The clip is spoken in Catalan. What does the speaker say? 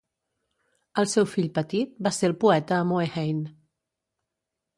El seu fill petit va ser el poeta Moe Hein.